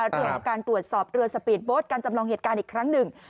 เรื่องของการตรวจสอบเรือสปีดโบ๊ทการจำลองเหตุการณ์อีกครั้งหนึ่ง